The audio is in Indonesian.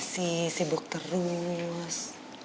sih sibuk terus